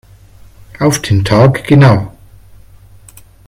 Auf den Tag genau.